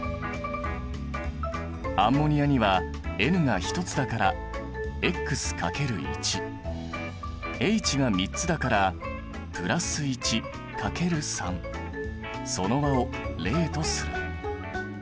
アンモニアにはＮが１つだからＨが３つだからその和を０とする。